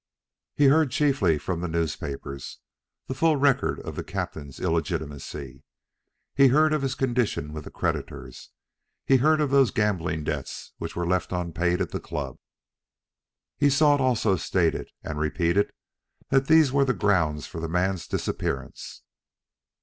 He heard, chiefly from the newspapers, the full record of the captain's illegitimacy; he heard of his condition with the creditors; he heard of those gambling debts which were left unpaid at the club. He saw it also stated and repeated that these were the grounds for the man's disappearance.